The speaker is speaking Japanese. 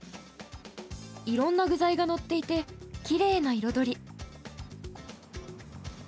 いろんな具材が載っていてきれいな彩り。